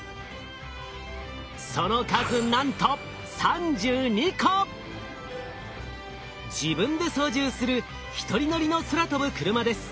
その数なんと自分で操縦する１人乗りの空飛ぶクルマです。